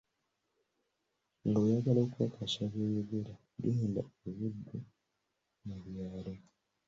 "Nga oyagala okukakasa byenjogera, gendako e Buddu mu byalo."